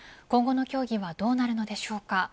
今後の協議はどうなるのでしょうか。